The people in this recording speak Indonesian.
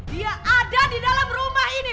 dia ada di dalam rumah ini